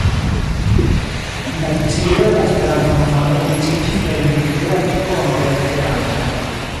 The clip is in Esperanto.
En Galicio la Esperanta movado komenciĝis per individua ekkono de Esperanto.